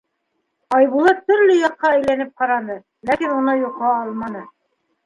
Айбулат төрлө яҡҡа әйләнеп ҡараны, ләкин уны йоҡо алманы.